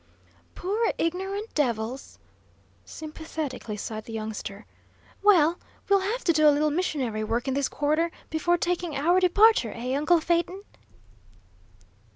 "Poor, ignorant devils!" sympathetically sighed the youngster. "Well, we'll have to do a little missionary work in this quarter, before taking our departure, eh, uncle Phaeton?"